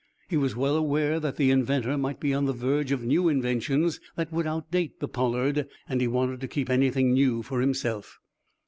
He was well aware that the inventor might be on the verge of new inventions that would outdate the "Pollard," and he wanted to keep anything new for himself.